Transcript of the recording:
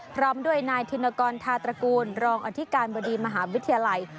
พร้อมด้วยนายธินกรธาตระกูลรองอธิการบดีมหาวิทยาลัย